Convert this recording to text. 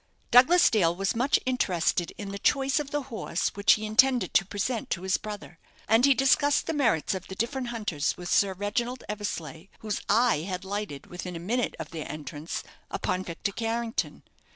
Douglas Dale was much interested in the choice of the horse which he intended to present to his brother; and he discussed the merits of the different hunters with Sir Reginald Eversleigh, whose eye had lighted, within a minute of their entrance, upon Victor Carrington.